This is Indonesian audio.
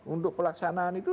untuk pelaksanaan itu